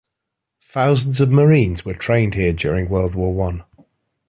Thousands of Marines were trained here during World War One.